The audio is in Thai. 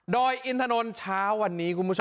ดอยอินทนนท์เช้าวันนี้คุณผู้ชมอะ